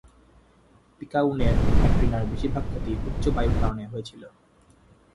পিকায়ুনের ক্যাটরিনার বেশিরভাগ ক্ষতি উচ্চ বায়ুর কারণে হয়েছিল।